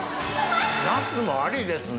ナスもありですね。